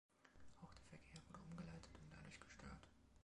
Auch der Verkehr wurde umgeleitet und dadurch gestört.